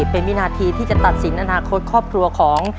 เป็นวินาทีที่จะตัดสินอนาคตครอบครัวของ